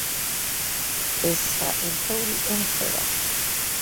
ეს ცხრა ერთეული ემთხვევა.